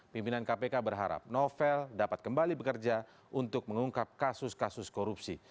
pimpinan kpk berharap novel dapat kembali bekerja untuk mengungkap kasus kasus korupsi